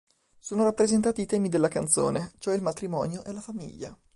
Sono rappresentati i temi della canzone, cioè il matrimonio e la famiglia.